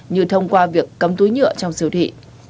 như thông qua việc cấm túi nhựa trong siêu thị